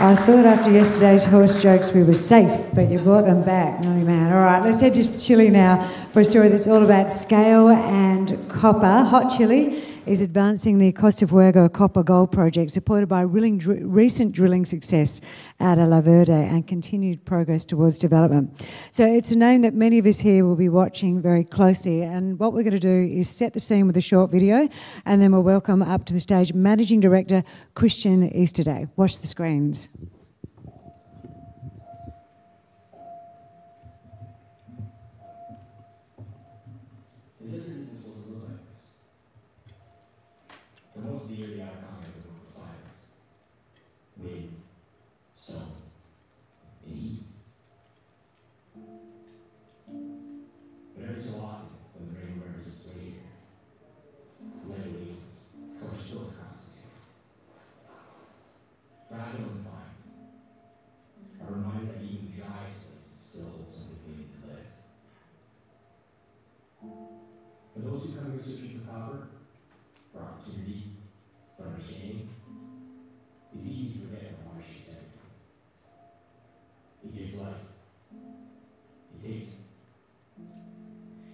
I thought after yesterday's horse jokes, we were safe, but you brought them back. Oh, man. All right, let's head to Chile now for a story that's all about scale and copper. Hot Chili is advancing the Costa Fuego copper-gold project, supported by recent drilling success at La Huerta and continued progress towards development. So it's a name that many of us here will be watching very closely, and what we're gonna do is set the scene with a short video, and then we'll welcome up to the stage Managing Director, Christian Easterday. Watch the screens. The desert isn't supposed to look like this. The most vivid outcome is the silence, wind, stone, and heat. But every so often, when the rain bears its weight here, the wind waits, clouds spill across the sky. Fragile and defined, a reminder that even dry spaces still simply need to live. For those who come here searching for copper, for opportunity, for understanding, it's easy to forget how much it gives. It gives life, it takes it.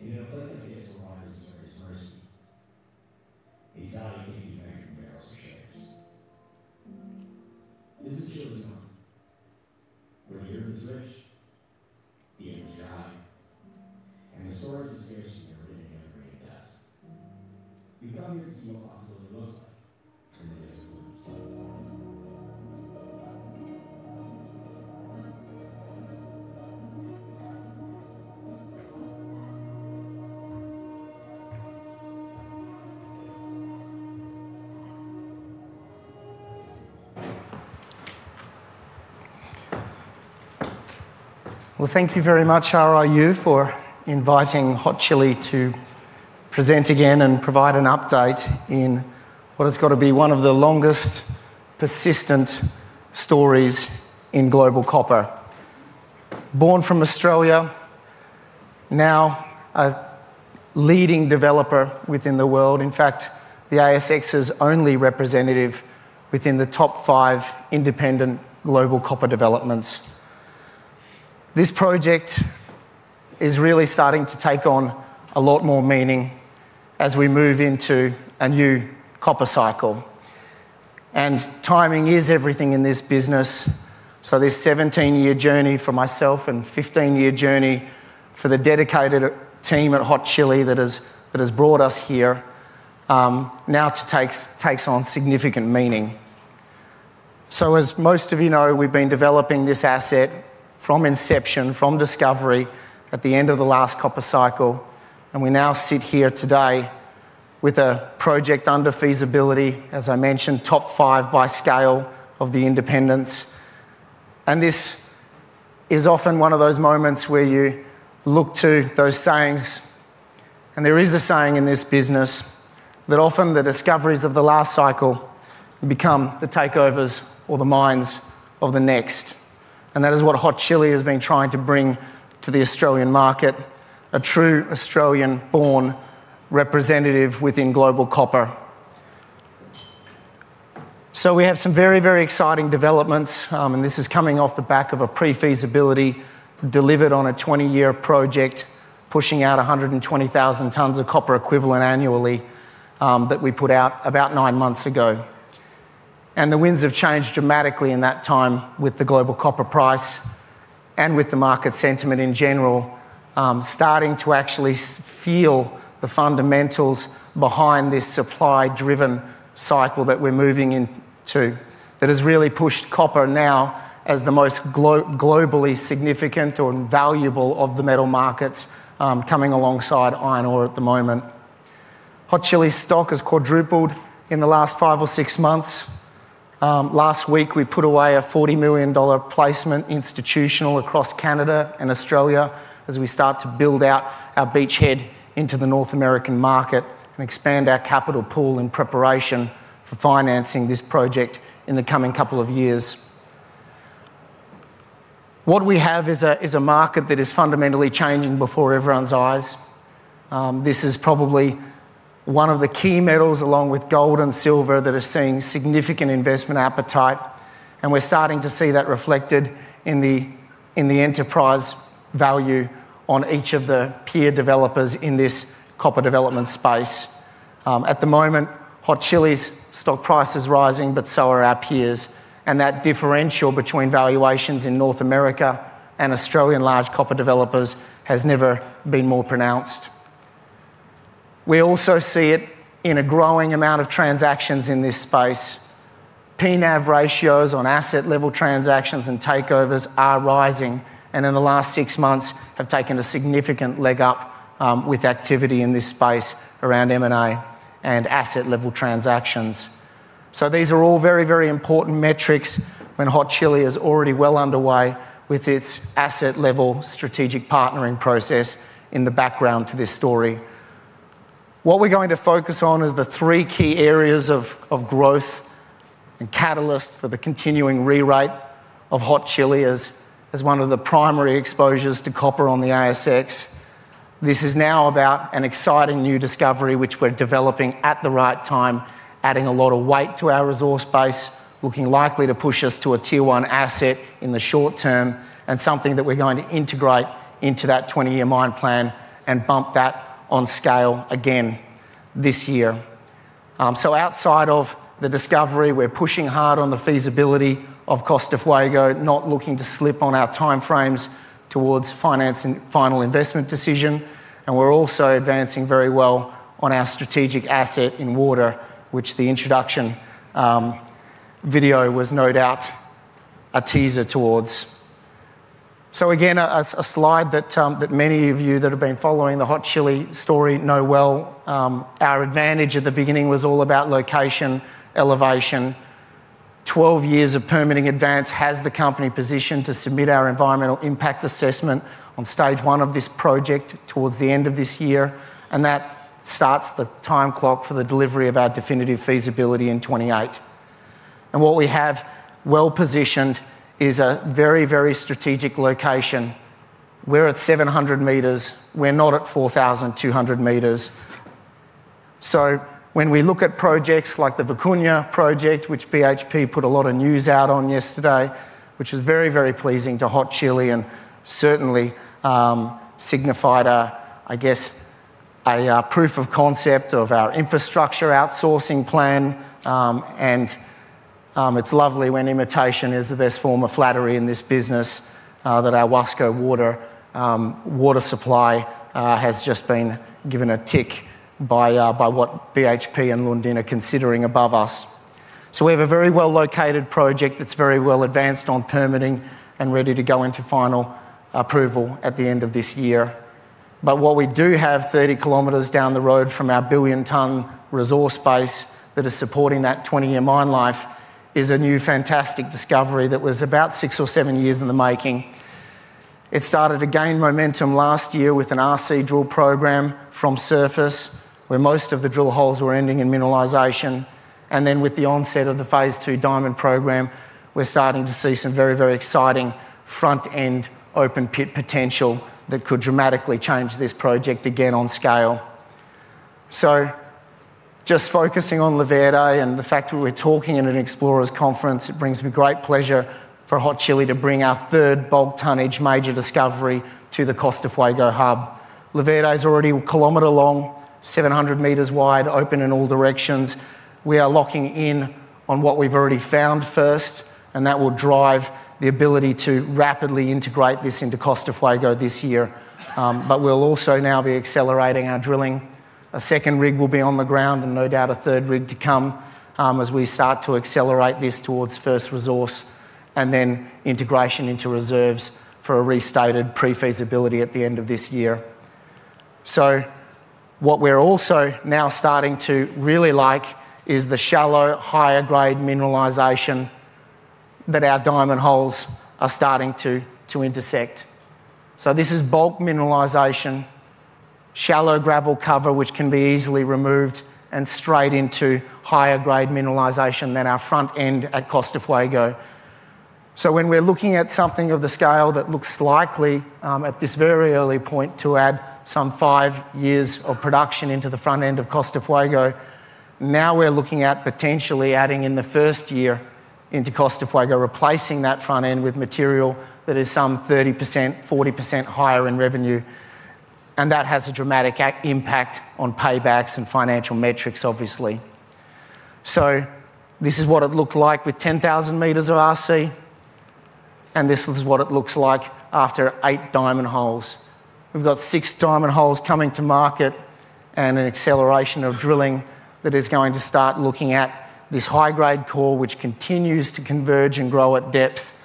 And in a place like this, where water is rare as mercy, its value can't be measured in barrels or shares. This is Chile's north, where the earth is rich, the air is dry, and the stories are scarce as everything underneath the dust. We come here to see what possibility looks like- Well, thank you very much, RIU, for inviting Hot Chili to present again and provide an update in what has got to be one of the longest persistent stories in global copper. Born from Australia, now a leading developer within the world. In fact, the ASX's only representative within the top five independent global copper developments. This project is really starting to take on a lot more meaning as we move into a new copper cycle. And timing is everything in this business, so this 17-year journey for myself and 15-year journey for the dedicated team at Hot Chili that has brought us here, now takes on significant meaning. As most of you know, we've been developing this asset from inception, from discovery at the end of the last copper cycle, and we now sit here today with a project under feasibility, as I mentioned, top five by scale of the independents. This is often one of those moments where you look to those sayings, and there is a saying in this business that often the discoveries of the last cycle become the takeovers or the mines of the next. That is what Hot Chili has been trying to bring to the Australian market, a true Australian-born representative within global copper. We have some very, very exciting developments, and this is coming off the back of a pre-feasibility delivered on a 20-year project, pushing out 120,000 tons of copper equivalent annually, that we put out about nine months ago. The winds have changed dramatically in that time with the global copper price and with the market sentiment in general, starting to actually feel the fundamentals behind this supply-driven cycle that we're moving into, that has really pushed copper now as the most globally significant or invaluable of the metal markets, coming alongside iron ore at the moment. Hot Chili's stock has quadrupled in the last five or six months. Last week, we put away a 40 million dollar placement institutional across Canada and Australia as we start to build out our beachhead into the North American market and expand our capital pool in preparation for financing this project in the coming couple of years. What we have is a market that is fundamentally changing before everyone's eyes. This is probably one of the key metals, along with gold and silver, that are seeing significant investment appetite, and we're starting to see that reflected in the enterprise value on each of the peer developers in this copper development space. At the moment, Hot Chili's stock price is rising, but so are our peers', and that differential between valuations in North America and Australian large copper developers has never been more pronounced. We also see it in a growing amount of transactions in this space. P/NAV ratios on asset-level transactions and takeovers are rising, and in the last six months have taken a significant leg up, with activity in this space around M&A and asset-level transactions. So these are all very, very important metrics when Hot Chili is already well underway with its asset-level strategic partnering process in the background to this story. What we're going to focus on is the three key areas of growth and catalyst for the continuing rewrite of Hot Chili as one of the primary exposures to copper on the ASX. This is now about an exciting new discovery, which we're developing at the right time, adding a lot of weight to our resource base, looking likely to push us to a Tier One asset in the short term, and something that we're going to integrate into that 20-year mine plan and bump that on scale again this year. So outside of the discovery, we're pushing hard on the feasibility of Costa Fuego, not looking to slip on our time frames towards finance and final investment decision, and we're also advancing very well on our strategic asset in water, which the introduction video was no doubt a teaser towards. So again, a slide that many of you that have been following the Hot Chili story know well. Our advantage at the beginning was all about location, elevation. 12 years of permitting advance has the company positioned to submit our environmental impact assessment on stage one of this project towards the end of this year, and that starts the time clock for the delivery of our definitive feasibility in 2028. And what we have well-positioned is a very, very strategic location. We're at 700 meters. We're not at 4,200 meters. So when we look at projects like the Vicuña Project, which BHP put a lot of news out on yesterday, which was very, very pleasing to Hot Chili and certainly signified a, I guess, a proof of concept of our infrastructure outsourcing plan. It's lovely when imitation is the best form of flattery in this business, that our Huasco water water supply has just been given a tick by what BHP and Lundin are considering above us. We have a very well-located project that's very well advanced on permitting and ready to go into final approval at the end of this year. But what we do have 30 km down the removed from our billion-tonne resource base that is supporting that 20-year mine life, is a new, fantastic discovery that was about six or seven years in the making. It started to gain momentum last year with an RC drill program from surface, where most of the drill holes were ending in mineralization. And then with the onset of the Phase 2 Diamond Program, we're starting to see some very, very exciting front-end open pit potential that could dramatically change this project again on scale. So just focusing on La Verde and the fact that we're talking in an explorers conference, it brings me great pleasure for Hot Chili to bring our third bulk tonnage major discovery to the Costa Fuego hub. La Verde is already 1 km long, 700 meters wide, open in all directions. We are locking in on what we've already found first, and that will drive the ability to rapidly integrate this into Costa Fuego this year. But we'll also now be accelerating our drilling. A second rig will be on the ground and no doubt a third rig to come, as we start to accelerate this towards first resource and then integration into reserves for a restated pre-feasibility at the end of this year. So what we're also now starting to really like is the shallow, higher-grade mineralization that our diamond holes are starting to intersect. So this is bulk mineralization, shallow gravel cover, which can be easily removed and straight into higher-grade mineralization than our front end at Costa Fuego. So when we're looking at something of the scale that looks likely, at this very early point, to add some five years of production into the front end of Costa Fuego, now we're looking at potentially adding in the first year into Costa Fuego, replacing that front end with material that is some 30%-40% higher in revenue, and that has a dramatic impact on paybacks and financial metrics, obviously. So this is what it looked like with 10,000 meters of RC, and this is what it looks like after eight diamond holes. We've got six diamond holes coming to market and an acceleration of drilling that is going to start looking at this high-grade core, which continues to converge and grow at depth.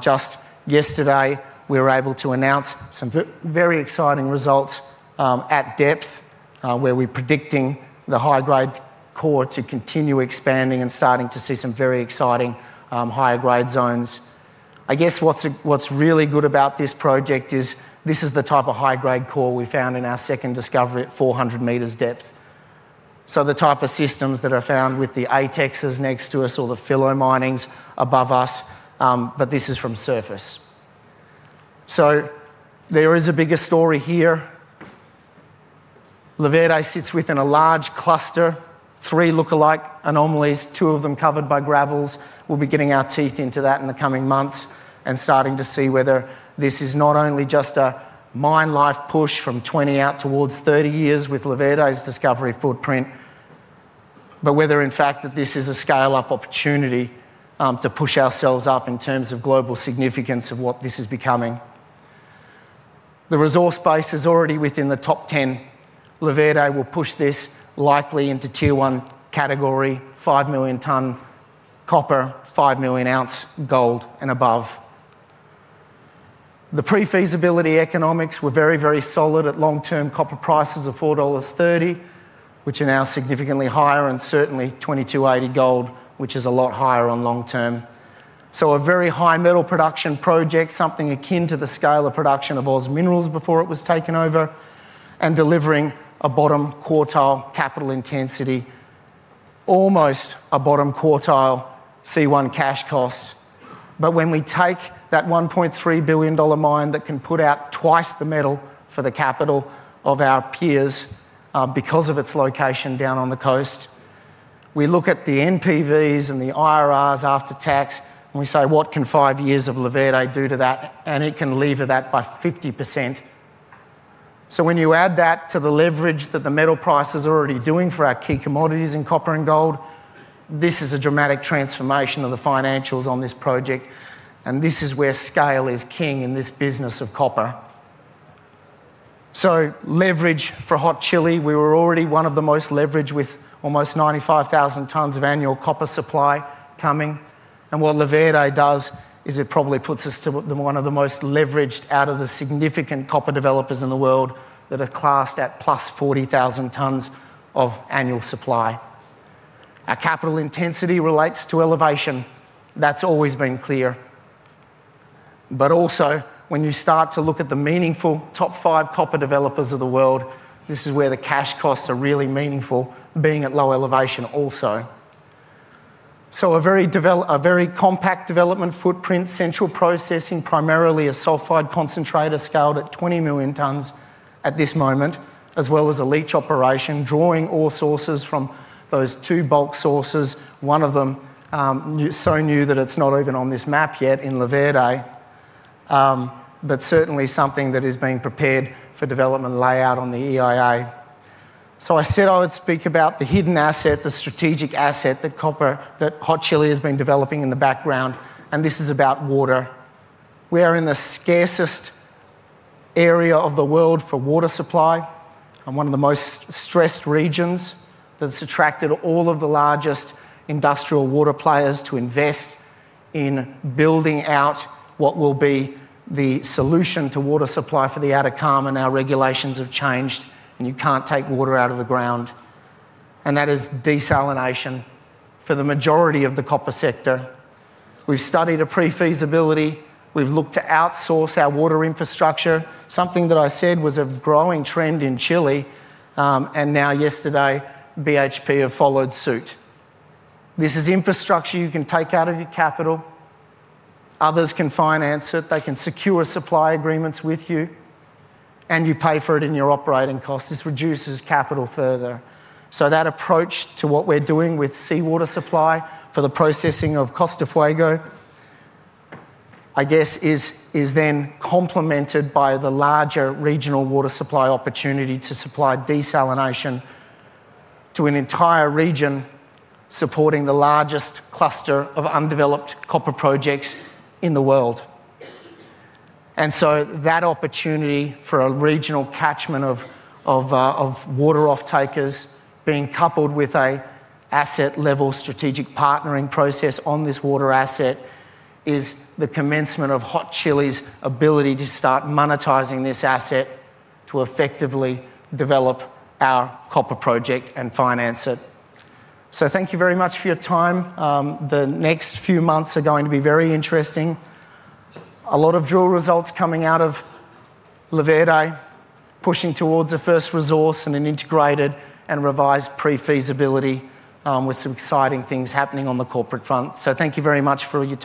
Just yesterday, we were able to announce some very exciting results at depth, where we're predicting the high-grade core to continue expanding and starting to see some very exciting higher-grade zones. I guess what's really good about this project is this is the type of high-grade core we found in our second discovery at 400 meters depth. So the type of systems that are found with the ATEX next to us or the Filo Mining above us, but this is from surface. So there is a bigger story here. La Verde sits within a large cluster, three lookalike anomalies, two of them covered by gravels. We'll be getting our teeth into that in the coming months and starting to see whether this is not only just a mine life push from 20 out towards 30 years with La Verde's discovery footprint, but whether, in fact, that this is a scale-up opportunity, to push ourselves up in terms of global significance of what this is becoming. The resource base is already within the top ten. La Verde will push this likely into tier one category, 5 million ton copper, 5 million ounce gold and above. The pre-feasibility economics were very, very solid at long-term copper prices of $4.30, which are now significantly higher, and certainly $22.80 gold, which is a lot higher on long term. So a very high metal production project, something akin to the scale of production of OZ Minerals before it was taken over, and delivering a bottom quartile capital intensity. almost a bottom quartile C1 cash costs. But when we take that $1.3 billion mine that can put out twice the metal for the capital of our peers, because of its location down on the coast, we look at the NPVs and the IRRs after tax, and we say, "What can five years of La Verde do to that?" And it can lever that by 50%. So when you add that to the leverage that the metal price is already doing for our key commodities in copper and gold, this is a dramatic transformation of the financials on this project, and this is where scale is king in this business of copper. So leverage for Hot Chili, we were already one of the most leveraged, with almost 95,000 tons of annual copper supply coming. What La Verde does is it probably puts us to one of the most leveraged out of the significant copper developers in the world that are classed at plus 40,000 tons of annual supply. Our capital intensity relates to elevation. That's always been clear. But also, when you start to look at the meaningful top five copper developers of the world, this is where the cash costs are really meaningful, being at low elevation also. So a very compact development footprint, central processing, primarily a sulfide concentrator scaled at 20 million tons at this moment, as well as a leach operation, drawing ore sources from those two bulk sources. One of them, new, so new that it's not even on this map yet in La Verde, but certainly something that is being prepared for development layout on the EIA. So I said I would speak about the hidden asset, the strategic asset, the copper that Hot Chili has been developing in the background, and this is about water. We are in the scarcest area of the world for water supply and one of the most stressed regions that's attracted all of the largest industrial water players to invest in building out what will be the solution to water supply for the Atacama. Now, regulations have changed, and you can't take water out of the ground, and that is desalination for the majority of the copper sector. We've studied a pre-feasibility. We've looked to outsource our water infrastructure, something that I said was a growing trend in Chile, and now yesterday, BHP have followed suit. This is infrastructure you can take out of your capital. Others can finance it, they can secure supply agreements with you, and you pay for it in your operating costs. This reduces capital further. So that approach to what we're doing with seawater supply for the processing of Costa Fuego, I guess, is then complemented by the larger regional water supply opportunity to supply desalination to an entire region, supporting the largest cluster of undeveloped copper projects in the world. And so that opportunity for a regional catchment of water off-takers being coupled with a asset-level strategic partnering process on this water asset is the commencement of Hot Chili's ability to start monetizing this asset to effectively develop our copper project and finance it. So thank you very much for your time. The next few months are going to be very interesting. A lot of drill results coming out of La Verde, pushing towards a first resource and an integrated and revised pre-feasibility, with some exciting things happening on the corporate front. So thank you very much for your time.